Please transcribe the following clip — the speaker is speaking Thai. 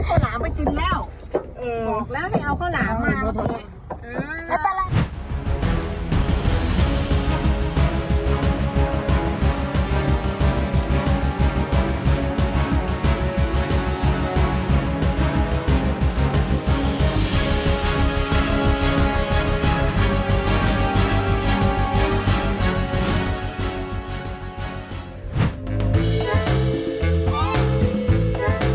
เอาข้าวหลามไปกินแล้ว